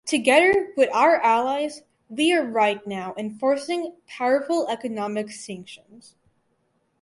Together with our allies – we are right now enforcing powerful economic sanctions.